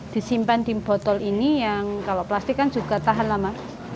disimpan di botol ini yang kalau plastik kan juga tahan lama